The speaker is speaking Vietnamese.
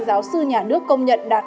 giáo sư nhà nước công nhận đạt